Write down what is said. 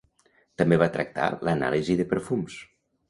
També va tractar l'anàlisi de perfums.